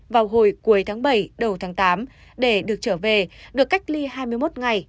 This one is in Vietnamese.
vào hồi cuối tháng bảy đầu tháng tám để được trở về được cách ly hai mươi một ngày